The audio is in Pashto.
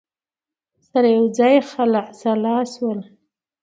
سره یوځای خلع سلاح شول